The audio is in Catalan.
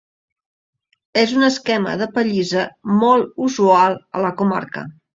És un esquema de pallissa molt usual a la comarca.